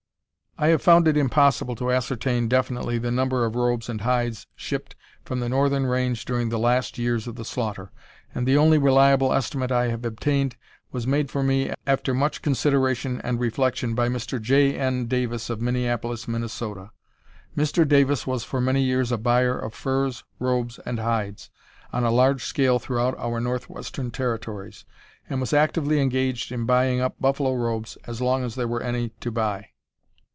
I have found it impossible to ascertain definitely the number of robes and hides shipped from the northern range during the last years of the slaughter, and the only reliable estimate I have obtained was made for me, alter much consideration and reflection, by Mr. J. N. Davis, of Minneapolis, Minnesota. Mr. Davis was for many years a buyer of furs, robes, and hides on a large scale throughout our Northwestern Territories, and was actively engaged in buying up buffalo robes as long as there were any to buy.